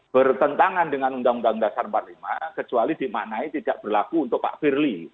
bertentangan dengan undang undang dasar empat puluh lima kecuali dimaknai tidak berlaku untuk pak firly